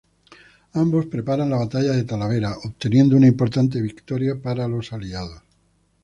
Ambos preparan la batalla de Talavera, obteniendo una importante victoria para los aliados.